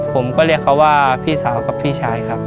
ผมก็เรียกเขาว่าพี่สาวกับพี่ชายครับ